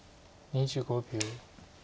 ２５秒。